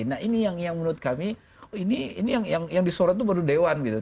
nah ini yang menurut kami ini yang disorot itu baru dewan gitu